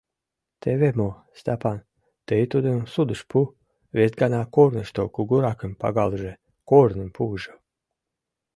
— Теве мо, Стапан, тый тудым судыш пу, вес гана корнышто кугуракым пагалыже, корным пуыжо.